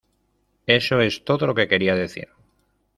Eso es todo lo que quería decir.